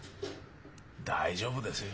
大丈夫ですよ。